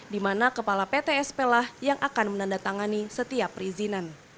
di mana kepala ptsp lah yang akan menandatangani setiap perizinan